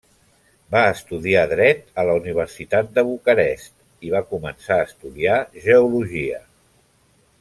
Va estudiar dret a la Universitat de Bucarest, i va començar a estudiar geologia.